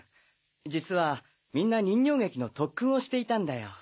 実はみんな人形劇の特訓をしていたんだよ。